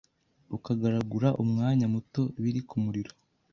ukagaragura umwanya muto biri ku muriro